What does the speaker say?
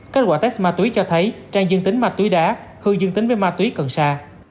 kết quả test ma túy cho thấy trang dương tính ma túy đá hương dương tính với ma túy cần xa